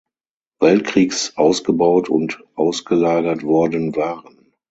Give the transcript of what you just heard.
Weltkriegs ausgebaut und ausgelagert worden waren.